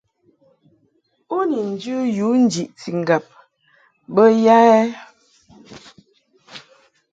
U ni njɨ yu njiʼti ŋgab bə ya ɛ ?